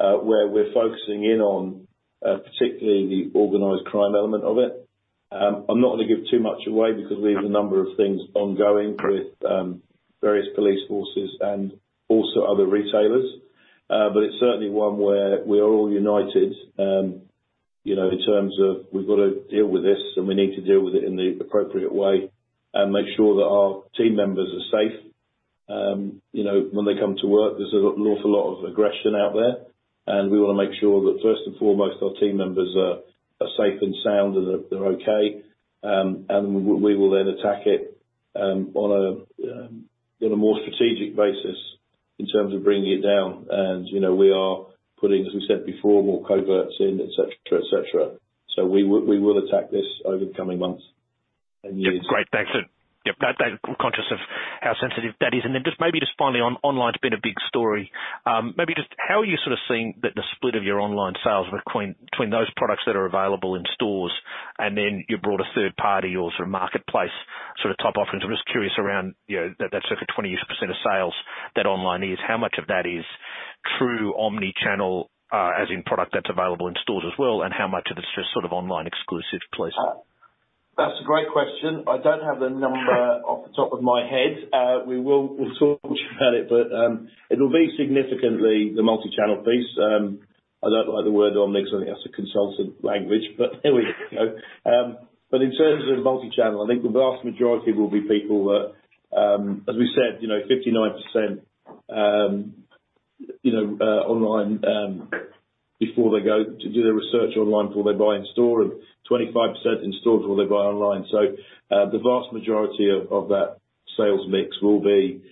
where we're focusing in on particularly the organized crime element of it. I'm not going to give too much away, because we have a number of things ongoing with various police forces and also other retailers. But it's certainly one where we are all united, you know, in terms of we've got to deal with this, and we need to deal with it in the appropriate way, and make sure that our team members are safe. You know, when they come to work, there's an awful lot of aggression out there, and we want to make sure that first and foremost, our team members are safe and sound, and they're okay. We will then attack it on a more strategic basis in terms of bringing it down. And, you know, we are putting, as we said before, more coverts in, et cetera, et cetera. So we will attack this over the coming months and years. Great, thanks. And, yep, that, conscious of how sensitive that is. And then just maybe just finally on online's been a big story. Maybe just how are you sort of seeing the split of your online sales between those products that are available in stores, and then you brought a third party or sort of marketplace sort of type offerings? I'm just curious around, you know, that sort of 20% of sales that online is. How much of that is-... true omni-channel, as in product that's available in stores as well, and how much of it's just sort of online exclusive, please? That's a great question. I don't have the number off the top of my head. We will- we'll talk about it, but, it'll be significantly the multi-channel piece. I don't like the word omni, because I think that's a consultant language, but there we go. But in terms of the multi-channel, I think the vast majority will be people that, as we said, you know, 59%, you know, online, before they go to do their research online before they buy in store, and 25% in store before they buy online. So, the vast majority of that sales mix will be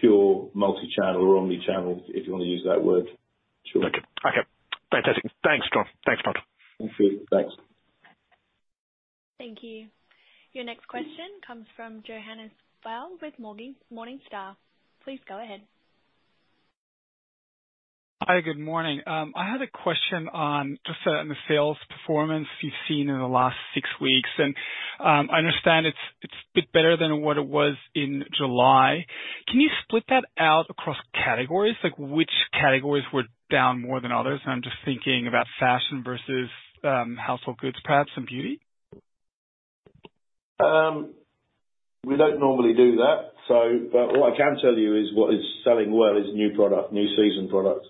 pure multi-channel or omni-channel, if you want to use that word, sure. Okay. Okay, fantastic. Thanks, John. Thanks, Nigel. Thank you. Thanks. Thank you. Your next question comes from Johannes Faul with Morgan-- Morningstar. Please go ahead. Hi, good morning. I had a question on just, on the sales performance you've seen in the last six weeks, and, I understand it's, it's a bit better than what it was in July. Can you split that out across categories? Like, which categories were down more than others? And I'm just thinking about fashion versus, household goods, perhaps, and beauty. We don't normally do that, so... But what I can tell you is, what is selling well is new product, new season products.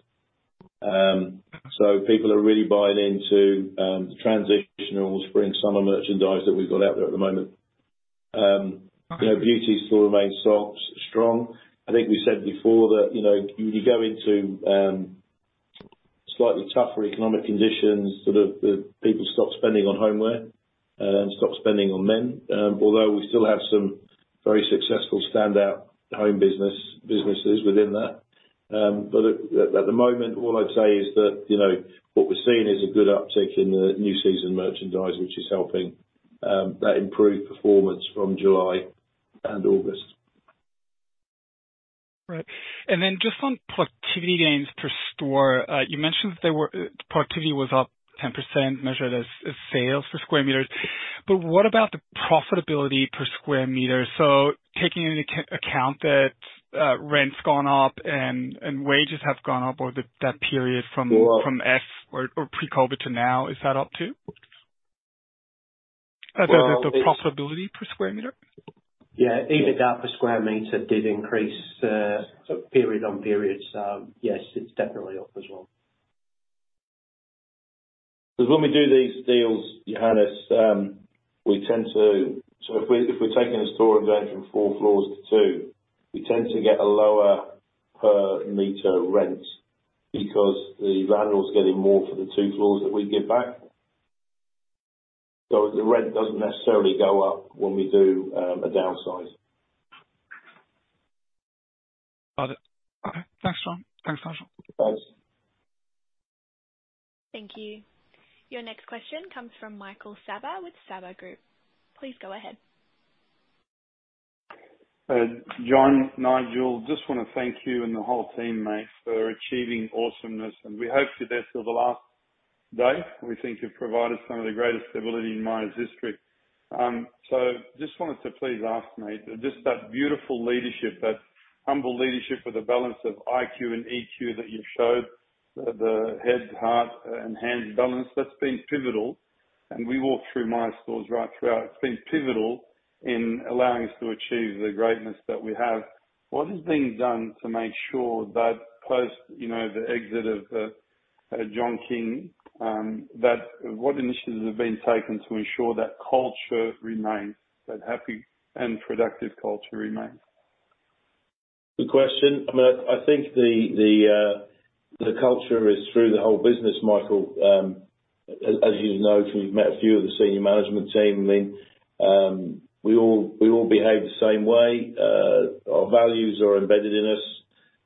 So people are really buying into the transitional spring/summer merchandise that we've got out there at the moment. Okay. You know, beauty still remains strong. I think we said before that, you know, you go into slightly tougher economic conditions, sort of, the people stop spending on homeware and stop spending on men. Although we still have some very successful standout home business, businesses within that. But at the moment, all I'd say is that, you know, what we're seeing is a good uptick in the new season merchandise, which is helping that improved performance from July and August. Right. And then just on productivity gains per store, you mentioned that they were, productivity was up 10%, measured as sales per square meters. But what about the profitability per square meter? So taking into account that, rent's gone up and wages have gone up over that period from S or pre-COVID to now, is that up, too? Well- The profitability per square meter. Yeah. EBITDA per square meter did increase, so period-on-period, so yes, it's definitely up as well. 'Cause when we do these deals, Johannes, we tend to... So if we, if we're taking a store and going from four floors to two, we tend to get a lower per meter rent because the landlord's getting more for the two floors that we give back. So the rent doesn't necessarily go up when we do a downsize. Got it. Okay. Thanks, John. Thanks, Nigel. Thanks. Thank you. Your next question comes from Michael Saba, with Saba Group. Please go ahead. John, Nigel, just want to thank you and the whole team, mate, for achieving awesomeness. And we hope you're there till the last day. We think you've provided some of the greatest stability in Myer's history. So just wanted to please ask, mate, just that beautiful leadership, that humble leadership with a balance of IQ and EQ that you've showed, the head, heart, and hands balance, that's been pivotal. And we walk through Myer stores right throughout. It's been pivotal in allowing us to achieve the greatness that we have. What is being done to make sure that post, you know, the exit of John King, that... What initiatives have been taken to ensure that culture remains, that happy and productive culture remains? Good question. I mean, I think the culture is through the whole business, Michael. As you know, if you've met a few of the senior management team, I mean, we all behave the same way. Our values are embedded in us.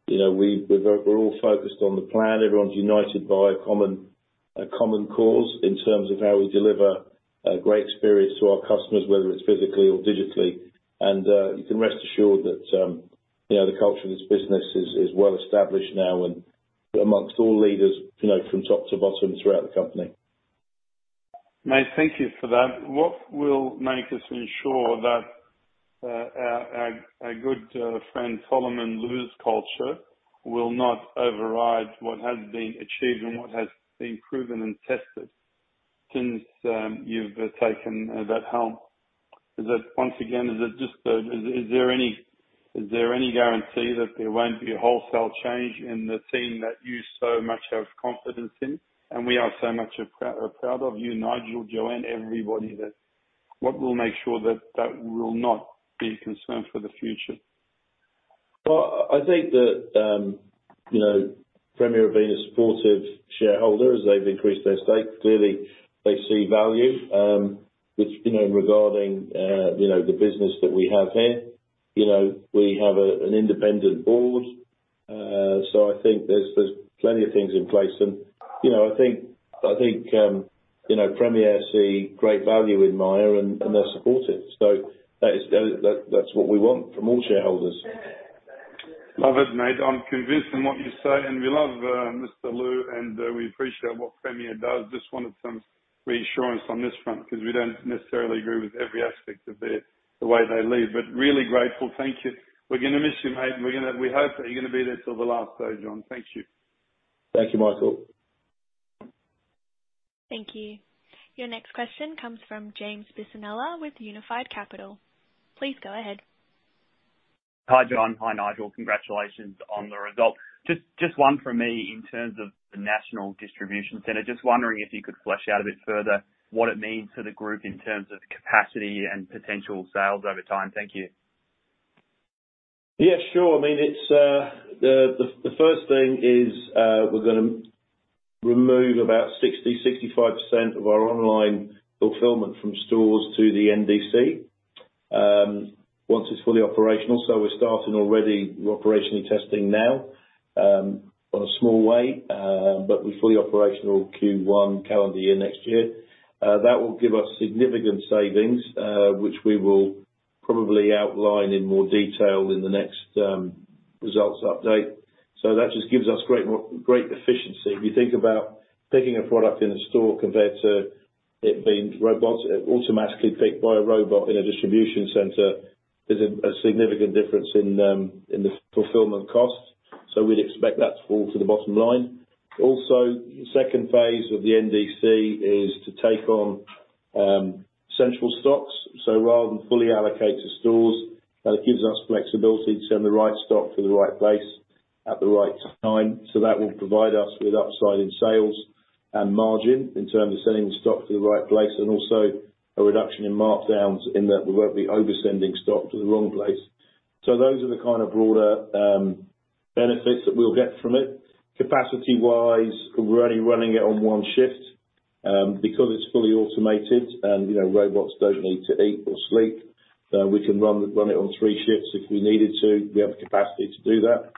You know, we're all focused on the plan. Everyone's united by a common cause, in terms of how we deliver a great experience to our customers, whether it's physically or digitally. And you can rest assured that, you know, the culture of this business is well established now and amongst all leaders, you know, from top to bottom throughout the company. Mate, thank you for that. What will make us ensure that our good friend Solomon Lew's culture will not override what has been achieved and what has been proven and tested since you've taken that helm? Is that, once again, is it just, is there any guarantee that there won't be a wholesale change in the team that you so much have confidence in? And we are so much proud of you, Nigel, John, everybody that... What will make sure that that will not be a concern for the future? Well, I think that, you know, Premier have been a supportive shareholder. As they've increased their stake, clearly they see value, which, you know, regarding, you know, the business that we have here. You know, we have a, an independent board. So I think there's, there's plenty of things in place. And, you know, I think, I think, you know, Premier see great value in Myer, and, and they're supportive. So that is, that's what we want from all shareholders. Love it, mate. I'm convinced in what you say, and we love Mr. Lew, and we appreciate what Premier does. Just wanted some reassurance on this front, 'cause we don't necessarily agree with every aspect of their, the way they lead. But really grateful. Thank you. We're gonna miss you, mate. We're gonna... We hope that you're gonna be there till the last day, John. Thank you. Thank you, Michael. Thank you. Your next question comes from James Bisinella with Unified Capital. Please go ahead. Hi, John. Hi, Nigel. Congratulations on the results. Just, just one for me in terms of the National Distribution Center. Just wondering if you could flesh out a bit further what it means to the group in terms of capacity and potential sales over time. Thank you. Yeah, sure. I mean, it's... The first thing is, we're gonna remove about 60-65% of our online fulfillment from stores to the NDC, once it's fully operational. So we're starting already operationally testing now, on a small way, but we're fully operational Q1 calendar year next year. That will give us significant savings, which we will probably outline in more detail in the next results update. So that just gives us great efficiency. If you think about picking a product in a store compared to it being automatically picked by a robot in a distribution center, there's a significant difference in the fulfillment cost. So we'd expect that to fall to the bottom line. Also, the second phase of the NDC is to take on central stocks. So rather than fully allocate to stores, that gives us flexibility to send the right stock to the right place at the right time. So that will provide us with upside in sales and margin, in terms of sending the stock to the right place, and also a reduction in markdowns, in that we won't be over-sending stock to the wrong place. So those are the kind of broader, benefits that we'll get from it. Capacity-wise, we're only running it on one shift. Because it's fully automated and, you know, robots don't need to eat or sleep, we can run it on three shifts if we needed to. We have the capacity to do that.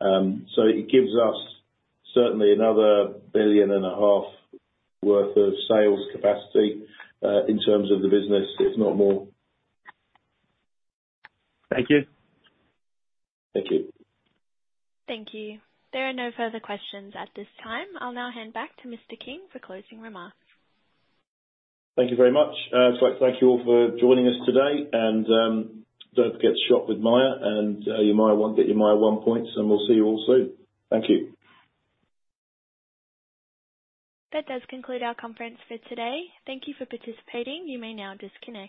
So it gives us certainly another 1.5 billion worth of sales capacity, in terms of the business, if not more. Thank you. Thank you. Thank you. There are no further questions at this time. I'll now hand back to Mr. King for closing remarks. Thank you very much. I'd like to thank you all for joining us today, and don't forget to shop with Myer, and your MYER ONE, get your MYER ONE points, and we'll see you all soon. Thank you. That does conclude our conference for today. Thank you for participating. You may now disconnect.